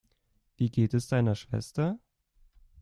Wie geht es deiner Schwester?